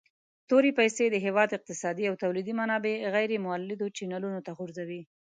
تورې پیسي د هیواد اقتصادي او تولیدي منابع غیر مولدو چینلونو ته غورځوي.